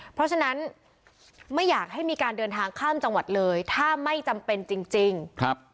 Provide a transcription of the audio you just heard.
เพราะฉะนั้นไม่อยากให้มีการเดินทางข้ามจังหวัดเลยถ้าไม่จำเป็นจริงจริงครับ